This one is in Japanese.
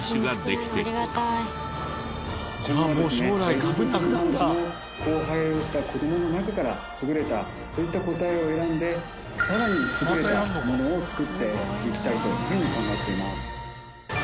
エリートツリー同士の交配をした子供の中から優れたそういった個体を選んでさらに優れたものを作っていきたいというふうに考えています。